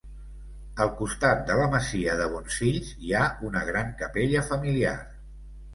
Al costat de la masia de Bonsfills hi ha una gran capella familiar.